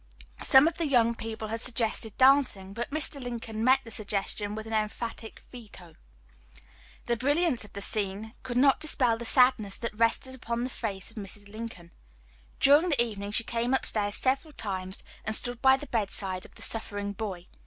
Some of the young people had suggested dancing, but Mr. Lincoln met the suggestion with an emphatic veto. The brilliance of the scene could not dispel the sadness that rested upon the face of Mrs. Lincoln. During the evening she came upstairs several times, and stood by the bedside of the suffering boy.